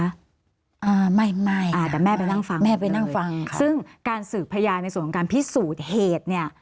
อ่าไม่ไม่อ่าแต่แม่ไปนั่งฟังแม่ไปนั่งฟังซึ่งการสืบพยานในส่วนของการพิสูจน์เหตุเนี่ย